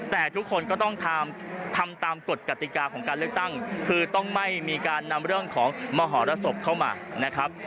แต่ทุกคนก็ต้องทำตามกฎกติกาของการเลือกตั้งคือต้องไม่มีการนำเรื่องของมหรสบเข้ามานะครับ